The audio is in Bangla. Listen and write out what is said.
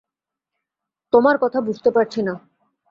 তোমার কথা বুঝতে পারছি না।